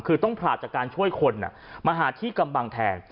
คือต้องผลาดจากการช่วยคนมาหาที่กำบังแทน